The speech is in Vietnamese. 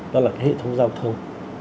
đó là cái hệ thống giao thông